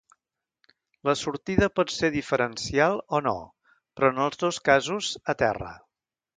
La sortida pot ser diferencial o no, però en els dos casos, a terra.